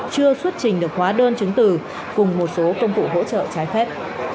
chưa xuất trình được hóa đơn chứng từ cùng một số công cụ hỗ trợ trái phép